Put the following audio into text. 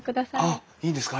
あっいいんですか？